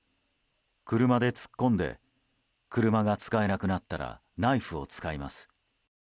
車でつっこんで車が使えなくなったらナイフを使います。